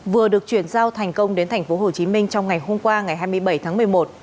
vừa được chuyển giao thành công đến thành phố hồ chí minh trong ngày hôm qua ngày hai mươi bảy tháng một mươi một